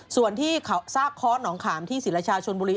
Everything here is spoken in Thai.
ส่วนที่ซากค้อนหนองขามที่ศิรชาชนบุรี